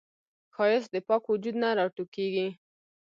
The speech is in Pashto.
ښایست د پاک وجود نه راټوکېږي